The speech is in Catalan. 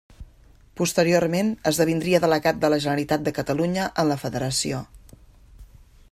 Posteriorment esdevindria delegat de la Generalitat de Catalunya en la Federació.